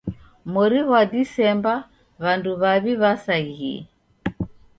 Mori ghwa Disemba, w'andu w'aw'i w'asaghie.